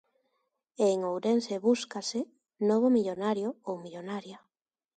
E en Ourense búscase novo millonario ou millonaria.